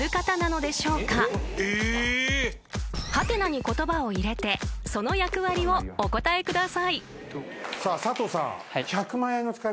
［ハテナに言葉を入れてその役割をお答えください］さあ佐藤さん。